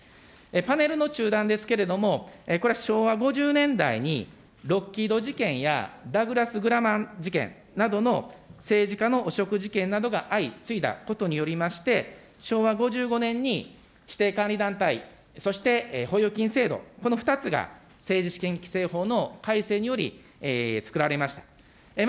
パネルの中段ですけれども、これ、昭和５０年代に、ロッキード事件やダグラス・グラマン事件などの政治家の汚職事件などが相次いだことによりまして、昭和５５年に指定管理団体、そして保有金制度、この２つが政治資金規正法の改正により、作られました。